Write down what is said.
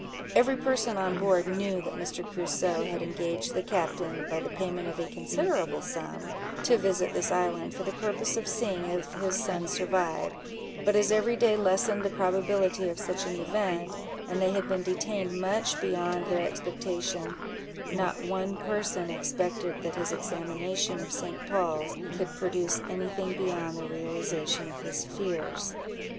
Every person on board knew that Mr. Crusoe had engaged the captain, by the payment of a considerable sum, to visit this island, for the purpose of seeing if his son survived; but as every day lessened the probability of such an event, and they had been detained much beyond their expectation, not one person expected that his examination of St. Paul's could produce any thing beyond the realization of his fears.